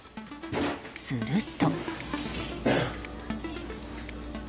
すると。